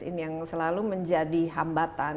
ini yang selalu menjadi hambatan